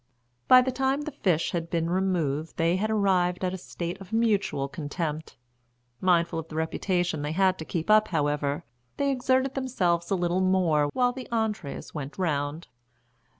By the time the fish had been removed they had arrived at a state of mutual contempt. Mindful of the reputation they had to keep up, however, they exerted themselves a little more while the entrees went round.